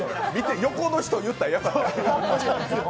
横の人言うたらよかった。